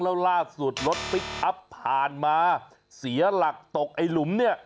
แล้วล่าสุดรถปิ๊กอัพผ่านมาเสียหลักตกหลุม